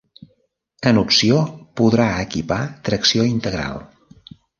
En opció podrà equipar tracció integral.